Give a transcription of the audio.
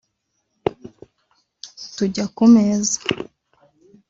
tujya ku meza